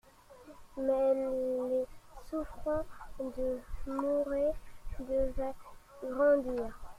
Mais les souffrances de Mouret devaient grandir.